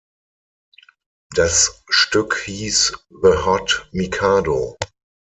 Das Stück hieß „The Hot Mikado“.